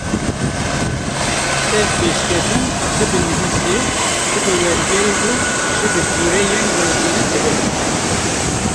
ev pêşketin çi bi nivîsê, çi bi wergerê û çi bi cûreyên wêjeyê dibe.